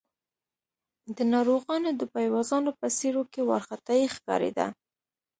د ناروغانو د پيوازانو په څېرو کې وارخطايي ښکارېده.